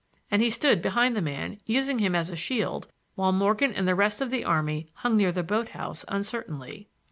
And he stood behind the man, using him as a shield while Morgan and the rest of the army hung near the boat house uncertainly.